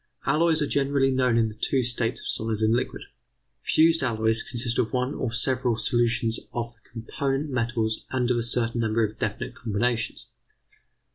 Alloys are generally known in the two states of solid and liquid. Fused alloys consist of one or several solutions of the component metals and of a certain number of definite combinations.